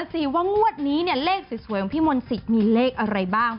สิว่างวดนี้เนี่ยเลขสวยของพี่มนต์สิทธิ์มีเลขอะไรบ้าง